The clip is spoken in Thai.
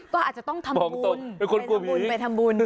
ก็อาจจะต้องทำบุญเป็นคนกลัวผี